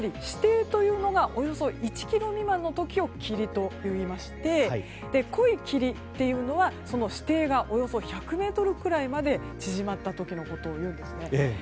視程というのがおよそ１ｋｍ未満の時を霧といいまして濃い霧というのはその視程がおよそ１００ｍくらいまで縮まった時のことを言うんですね。